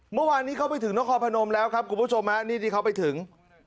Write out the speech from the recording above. เมื่อวานนี้เข้าไปถึงนครพนมแล้วครับคุณผู้ชมฮะนี่ที่เขาไปถึง